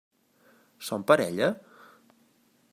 Són parella?